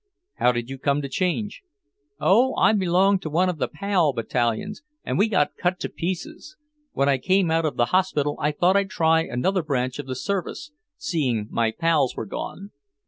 "How did you come to change?" "Oh, I belonged to one of the Pal Battalions, and we got cut to pieces. When I came out of hospital, I thought I'd try another branch of the service, seeing my pals were gone."